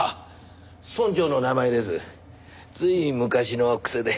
つい昔の癖で。